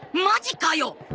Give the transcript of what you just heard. マジかよ！